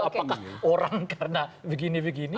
apakah orang karena begini begini